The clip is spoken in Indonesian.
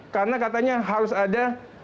karena katanya harus ada